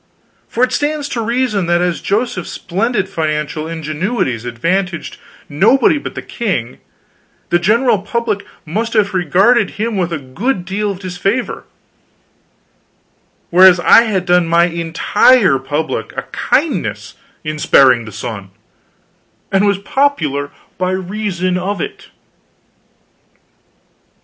For it stands to reason that as Joseph's splendid financial ingenuities advantaged nobody but the king, the general public must have regarded him with a good deal of disfavor, whereas I had done my entire public a kindness in sparing the sun, and was popular by reason of it.